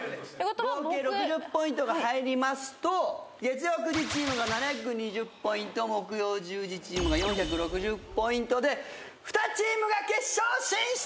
合計６０ポイントが入りますと月曜９時チームが７２０ポイント木曜１０時チームが４６０ポイントで２チームが決勝進出！